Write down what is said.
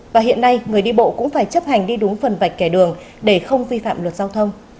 và hiện nay người đi bộ cũng phải chấp hành đi đúng phần vạch kẻ đường để không vi phạm luật giao thông